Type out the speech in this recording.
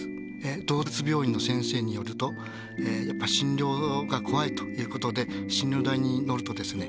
動物病院の先生によるとやっぱり診療が怖いということで診療台に乗るとですねね